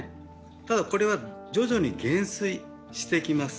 ただこれは徐々に減衰していきます。